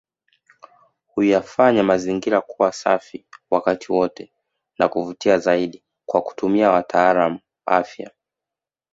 Huyafanya mazingira kuwa safi wakati wote na kuvutia zaidi Kwa kutumia watalaamu afya